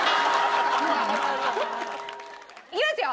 いきますよ！